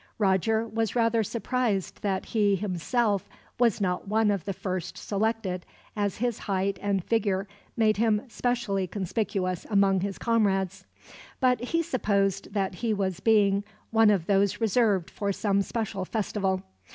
Roger was rather surprised that he himself was not one of the first selected, as his height and figure made him specially conspicuous among his comrades; but he supposed that he was being one of those reserved for some special festival.